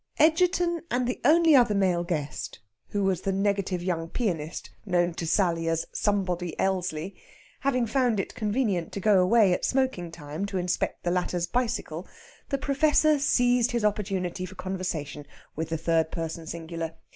Egerton and the only other male guest (who was the negative young pianist known to Sally as Somebody Elsley) having found it convenient to go away at smoking time to inspect the latter's bicycle, the Professor seized his opportunity for conversation with the third person singular.